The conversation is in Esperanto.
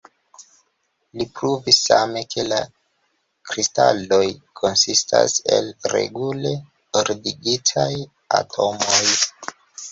Li pruvis same, ke la kristaloj konsistas el regule ordigitaj atomoj.